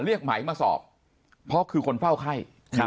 เรียกไหมมาสอบเพราะคือคนเฝ้าไข้ครับ